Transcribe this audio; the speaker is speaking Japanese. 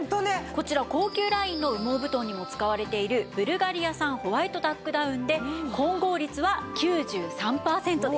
こちら高級ラインの羽毛布団にも使われているブルガリア産ホワイトダックダウンで混合率は９３パーセントです。